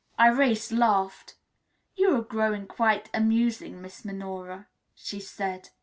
Irais laughed. "You are growing quite amusing, Miss Minora," she said.